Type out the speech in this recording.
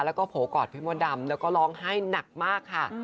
แล้วก็โผล่กอดพี่มดดำแล้วก็ร้องไห้หนักมากค่ะ